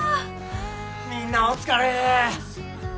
みんなお疲れ！